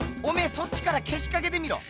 そっちからけしかけてみろ。